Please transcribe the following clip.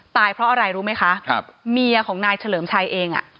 ตายเพราะอะไรรู้ไหมคะครับเมียของนายเฉลิมชัยเองอ่ะ